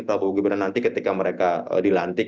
prabowo gimana nanti ketika mereka dilantik